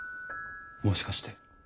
もしかして。